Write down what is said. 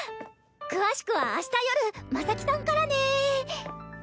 詳しくは明日夜真咲さんからね。